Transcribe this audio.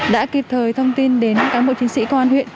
đã kịp thời thông tin đến cán bộ chiến sĩ công an huyện